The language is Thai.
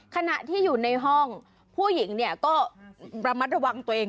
ขณะที่อยู่ในห้องผู้หญิงเนี่ยก็ระมัดระวังตัวเอง